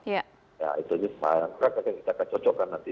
ya itu juga sebuah yang kita akan cocokkan nanti